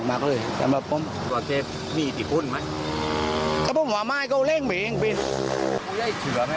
ก็ตามสัมผัสทางต้องโทษว่าสิ่งที่ต้องขออุ่นต้อนก็จะไม่เป็นปืน